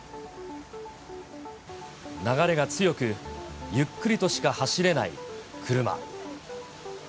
流れが強く、ゆっくりとしか走れない車。